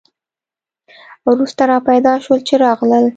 وروسته را پیدا شول چې راغلل.